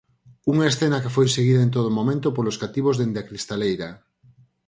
Unha escena que foi seguida en todo momento polos cativos dende a cristaleira.